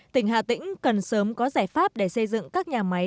tỉnh hà tĩnh cần sớm có giải pháp để xây dựng các nhà máy